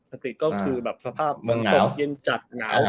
อังกฤษก็คือสภาพตรงเย็นจัดหงาว